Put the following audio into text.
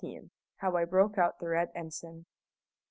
HOW I BROKE OUT THE BED ENSIGN.